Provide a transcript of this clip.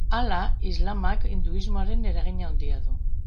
Hala, islamak hinduismoaren eragin handia du.